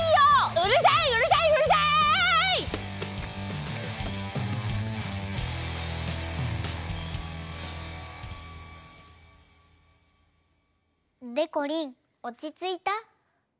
うるさいうるさいうるさい！でこりんおちついた？